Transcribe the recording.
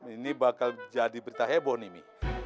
ini bakal jadi berita heboh nih